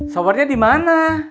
showernya di mana